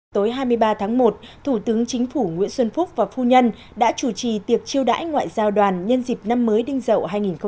tối hai mươi ba tháng một thủ tướng chính phủ nguyễn xuân phúc và phu nhân đã chủ trì tiệc chiêu đãi ngoại giao đoàn nhân dịp năm mới đinh dậu hai nghìn hai mươi